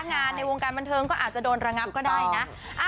ในวงการบันเทิงก็อาจจะโดนระงับก็ได้นะ